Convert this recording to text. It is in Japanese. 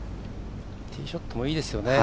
ティーショットもいいですよね。